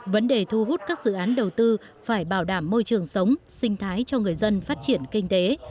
vấn đề thu hút các dự án đầu tư phải bảo đảm môi trường sống sinh thái cho người dân phát triển kinh tế